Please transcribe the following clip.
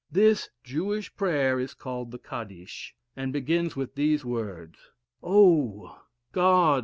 This Jewish prayer is called the Kadish, and begins with these words: "Oh! God!